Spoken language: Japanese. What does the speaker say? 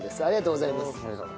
ありがとうございます。